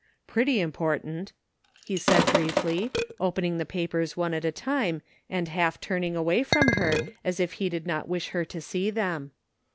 "Pretty important," he said briefly, opening the papers one at a time and half turning away from her as if he did not wish her to see them.